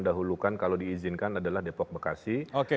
dahulukan kalau diizinkan adalah depok bekasi